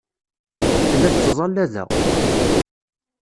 Tella tettẓalla da.